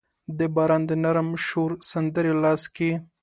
د باران د نرم شور سندرې لاس کې